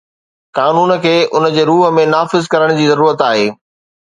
قانون کي ان جي روح ۾ نافذ ڪرڻ جي ضرورت آهي